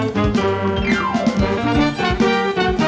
สวัสดีครับ